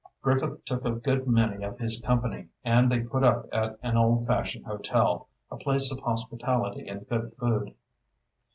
Griffith took a good many of his company, and they put up at an old fashioned hotel, a place of hospitality and good food.